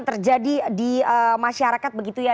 terjadi di masyarakat begitu ya